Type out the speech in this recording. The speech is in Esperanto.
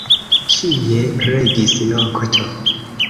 Ĉie regis nokto.